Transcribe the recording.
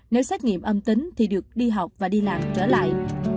nếu xét nghiệm âm tính thì được đi học và đi làm trở lại